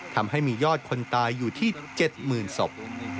ทำให้มียอดคนตายอยู่ที่๗๐๐ศพ